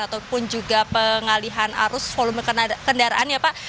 ataupun juga pengalihan arus volume kendaraan ya pak